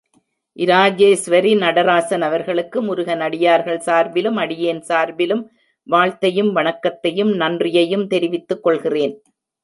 இராஜேசுவரி நடராசன் அவர்களுக்கு முருகனடியார்கள் சார்பிலும் அடியேன் சார்பிலும் வாழ்த்தையும் வணக்கத்தையும் நன்றியையும் தெரிவித்துக் கொள்கிறேன்.